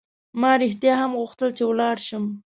ما رښتیا هم غوښتل چې ولاړ شم.